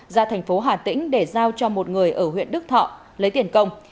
ra thành phố hà tĩnh để giao cho một người ở huyện đức thọ lấy tiền công